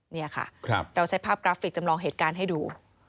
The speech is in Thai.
นี่ค่ะเราใช้ภาพกราฟิกจำลองเหตุการณ์ให้ดู